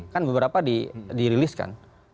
kan beberapa diriliskan